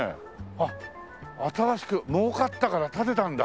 あっ新しく儲かったから建てたんだ。